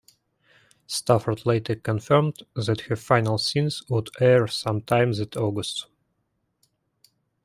Stafford later confirmed that her final scenes would air sometime that August.